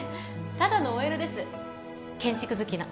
ただの ＯＬ です建築好きの